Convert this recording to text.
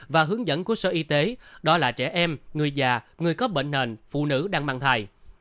và hướng dẫn của sở y tế đó là trẻ em người già người có bệnh nền phụ nữ đang mang thai